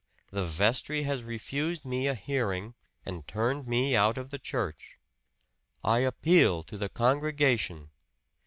The vestry has refused me a hearing and turned me out of the church. I appeal to the congregation.